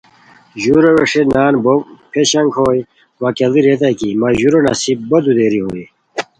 ژورو ویݰئیے نان بو پھیشنگ ہوئے، وا کیڑی ریتائے کی مہ ژورو نصیب بودودیری ہوئے